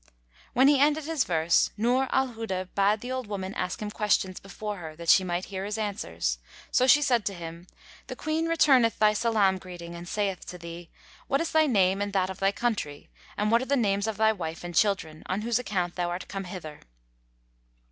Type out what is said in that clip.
When he ended his verse Nur al Huda bade the old woman ask him questions before her, that she might hear his answers: so she said to him, "The Queen returneth thy salam greeting and saith to thee, 'What is thy name and that of thy country, and what are the names of thy wife and children, on whose account thou art come hither?"'